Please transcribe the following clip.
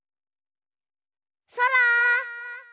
そら！